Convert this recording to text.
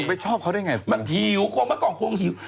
ไม่ชอบเขาได้ไง